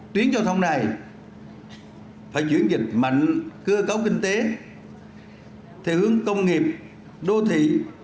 tuyến giao thông này phải chuyển dịch mạnh cơ cấu kinh tế theo hướng công nghiệp đô thị